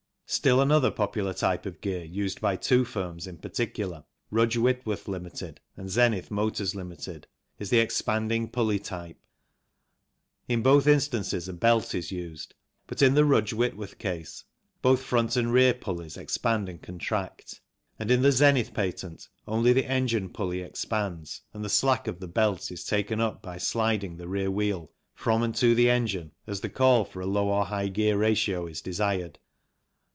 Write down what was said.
Still another popular type of gear used by two firms in particular, Rudge Whit worth, Ltd. and Zenith Motors, Ltd., is the expanding pulley type. In both instances a belt is used but in the Rudge Whitworth case both front and rear pulleys expand and contract, and in the Zenith patent only the engine pulley expands and the slack of the belt is taken up by sliding the rear wheel from and to the engine as the call for a low or high gear ratio is desired.